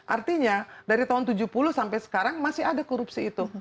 artinya dari tahun tujuh puluh sampai sekarang masih ada korupsi itu